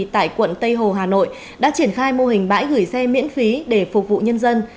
tại quận tây hồ hà nội đã triển khai mô hình bãi gửi xe miễn phí để phục vụ nhân dân